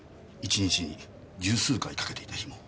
１日に十数回かけていた日も。